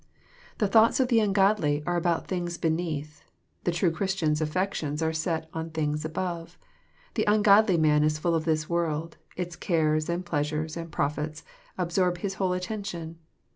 The .thoughts of the ungodly are about things beneath ; the true Chris tian's afTections are set j)n things above. The ungodly man is full of^his world; its cares, and pleasures, and profits, absorb^his whole attention.